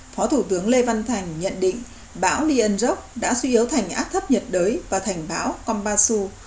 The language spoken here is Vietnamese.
phó thủ tướng lê văn thành nhận định bão liên rốc đã suy yếu thành ác thấp nhiệt đới và thành bão kompasu